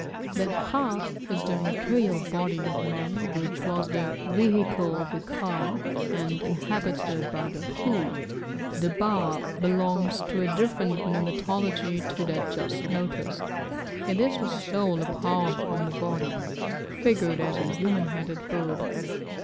The khat is the material body of man which was the vehicle of the ka, and inhabited by the khu. The ba belongs to a different pneumatology to that just noticed. It is the soul apart from the body, figured as a human headed bird.